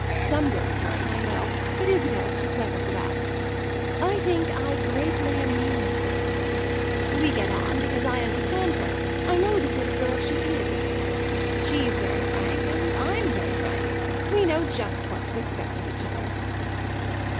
Some girls might, I know; but Isabel's too clever for that. I think I greatly amuse her. We get on because I understand her, I know the sort of girl she is. She's very frank, and I'm very frank: we know just what to expect of each other."